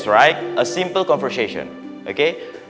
perbicaraan sederhana oke